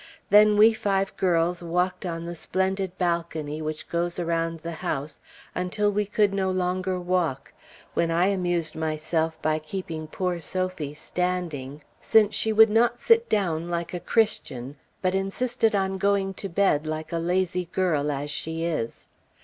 Then we five girls walked on the splendid balcony which goes around the house until we could no longer walk, when I amused myself by keeping poor Sophie standing, since she would not sit down like a Christian, but insisted on going to bed like a lazy girl, as she is.